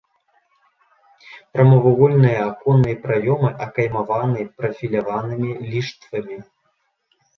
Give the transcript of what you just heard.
Прамавугольныя аконныя праёмы акаймаваны прафіляванымі ліштвамі.